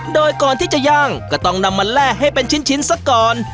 โดยก่อนที่จะย่างก็ต้องนำมาแล่ให้เป็นชิ้นซะก่อน